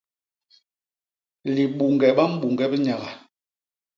Libuñge ba mbuñge bi nyaga.